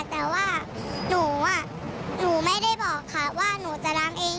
แต่ว่าหนูไม่ได้บอกค่ะว่าหนูจะล้างเอง